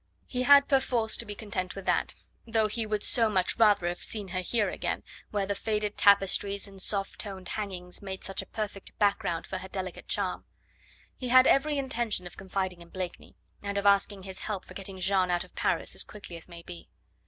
He had perforce to be content with that, though he would so much rather have seen her here again, where the faded tapestries and soft toned hangings made such a perfect background for her delicate charm. He had every intention of confiding in Blakeney, and of asking his help for getting Jeanne out of Paris as quickly as may be.